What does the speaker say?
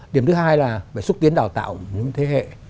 điểm thứ hai là phải xúc tiến đào tạo những thế hệ